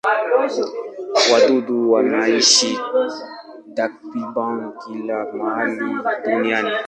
Wadudu wanaishi takriban kila mahali duniani.